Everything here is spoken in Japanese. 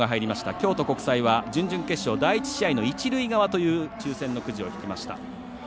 京都国際は準々決勝第１試合の一塁側という抽せんのくじを引きました。